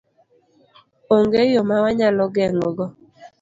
Onge yo ma wanyalo geng'e go?